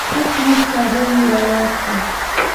کټ مټ کابل یې را یاد کړ.